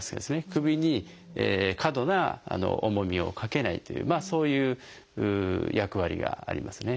首に過度な重みをかけないというそういう役割がありますね。